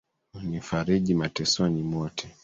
Hunifariji matesoni mwote,